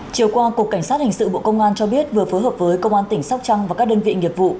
chiều qua cục cảnh sát hình sự bộ công an cho biết vừa phối hợp với công an tỉnh sóc trăng và các đơn vị nghiệp vụ